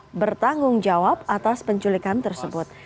tpnpb opm bertanggung jawab atas penculikan tersebut